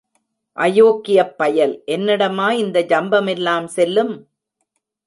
அயோக்கியப் பயல், என்னிடமா இந்த ஜம்பமெல்லாம் செல்லும்?